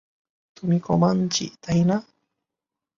তুমি কোমাঞ্চি, তাই না?